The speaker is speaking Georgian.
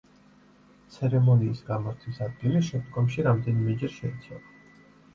ცერემონიის გამართვის ადგილი შემდგომში რამდენიმეჯერ შეიცვალა.